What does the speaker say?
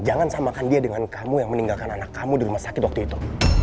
jangan samakan dia dengan kamu yang meninggalkan anak kamu di rumah sakit waktu itu